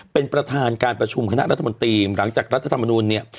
เป็นประธานการประชุมคณะรัฐมนตรีหลังจากรัฐธรรมนูลเนี่ย